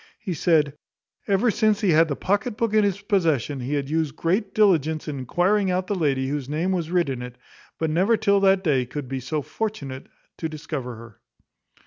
He said, "Ever since he had the pocket book in his possession, he had used great diligence in enquiring out the lady whose name was writ in it; but never till that day could be so fortunate to discover her."